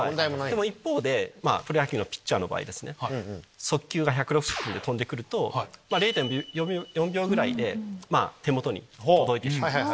でも一方でプロ野球のピッチャーの場合速球が１６０キロで飛んで来ると０．４秒ぐらいで手元に届いてしまう。